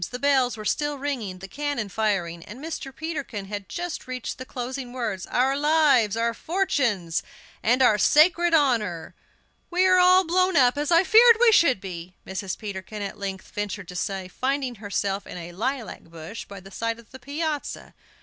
The bells were still ringing, the cannon firing, and Mr. Peterkin had just reached the closing words: "Our lives, our fortunes, and our sacred honor." "We are all blown up, as I feared we should be," Mrs. Peterkin at length ventured to say, finding herself in a lilac bush by the side of the piazza.